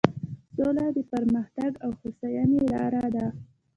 سوله د پرمختګ او هوساینې لاره ده.